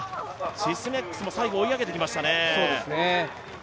シスメックスも最後、追い上げてきましたね。